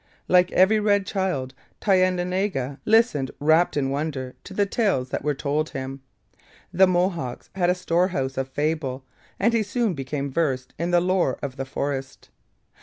Like every red child, Thayendanegea listened rapt in wonder to the tales that were told him. The Mohawks had a storehouse of fable, and he soon became versed in the lore of the forest.